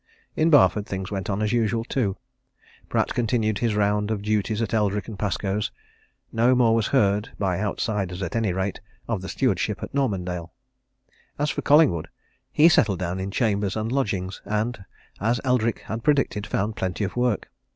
In Barford, things went on as usual, too. Pratt continued his round of duties at Eldrick & Pascoe's; no more was heard by outsiders, at any rate of the stewardship at Normandale. As for Collingwood, he settled down in chambers and lodgings and, as Eldrick had predicted, found plenty of work.